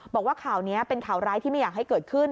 บอกว่าข่าวนี้เป็นข่าวร้ายที่ไม่อยากให้เกิดขึ้น